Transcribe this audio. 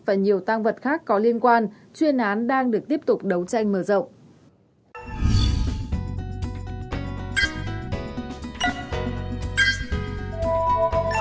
và nhiều tăng vật khác có liên quan chuyên án đang được tiếp tục đấu tranh mở rộng